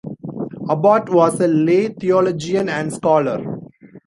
Abbot was a lay theologian and scholar.